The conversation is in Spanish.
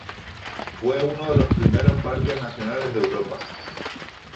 Fue uno de los primeros parques nacionales de Europa.